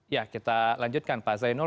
ya kita lanjutkan pak zainul